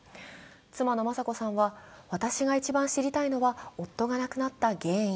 妻の雅子さんは、私が一番知りたいのは夫が亡くなった原因。